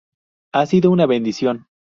Ha sido una bendición.